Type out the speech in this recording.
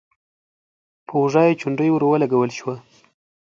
په اوږه يې چونډۍ ور ولګول شوه: